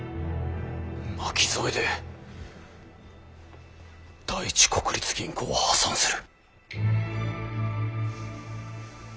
巻き添えで第一国立銀行は破産する！